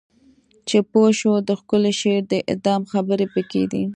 چې پوه شو د ښکلی شعر د اعدام خبر پکې دی